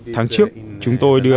tháng trước chúng tôi đưa